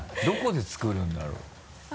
どこで作るんだろう？